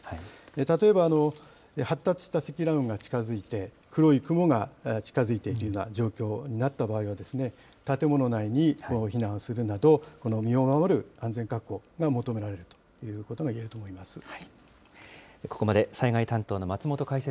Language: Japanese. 例えば発達した積乱雲が近づいて、黒い雲が近づいてくるような状況になった場合はですね、建物内に避難するなど、身を守る安全確保が求められるということがいえると思います。